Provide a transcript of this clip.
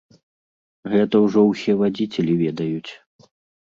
Гэта ўжо ўсе вадзіцелі ведаюць.